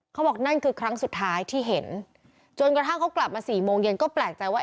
เขาบอกนั่นคือครั้งสุดท้ายที่เห็นจนกระทั่งเขากลับมาสี่โมงเย็นก็แปลกใจว่า